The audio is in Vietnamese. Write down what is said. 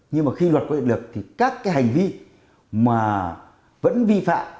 nhưng mà khi luật có hiệu lực thì các cái hành vi mà vẫn vi phạm